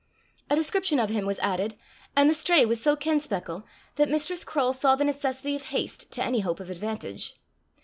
A description of him was added, and the stray was so kenspeckle, that Mistress Croale saw the necessity of haste to any hope of advantage.